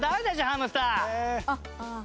ハムスター必ず。